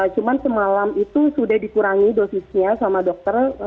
cuma semalam itu sudah dikurangi dosisnya sama dokter